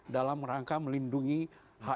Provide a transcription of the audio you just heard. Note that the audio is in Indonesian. dalam rangka melindungi hak